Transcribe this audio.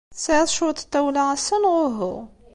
Tesɛiḍ cwiṭ n tawla ass-a, neɣ uhu?